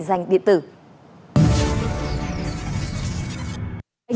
tài khoản định danh điện tử được xem là công cụ để định danh con người trên môi trường số